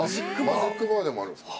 マジックバーでもあるんですか？